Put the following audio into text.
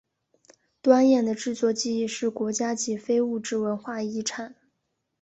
端砚的制作技艺是国家级非物质文化遗产。